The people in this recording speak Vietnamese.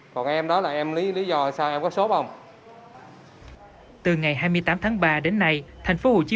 còn em đó là em lý do sao em có xốp không từ ngày hai mươi tám tháng ba đến nay thành phố hồ chí